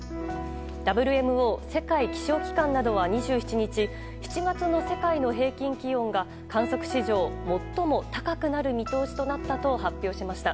ＷＭＯ・世界気象機関などは２７日、７月の世界の平均気温が観測史上最も高くなる見通しとなったと発表しました。